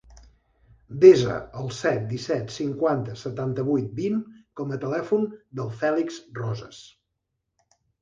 Desa el set, disset, cinquanta, setanta-vuit, vint com a telèfon del Fèlix Rosas.